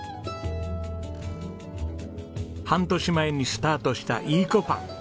半年前にスタートしたいいこパン。